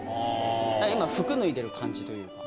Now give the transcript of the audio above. だから今、服脱いでる感じというか。